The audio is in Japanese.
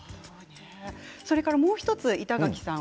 それから、もう１つ板垣さん